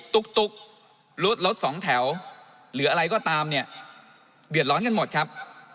ตุ๊กรถสองแถวหรืออะไรก็ตามเนี่ยเดือดร้อนกันหมดครับ